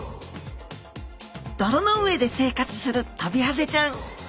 泥の上で生活するトビハゼちゃん。